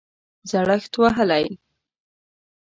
زړښت وهلی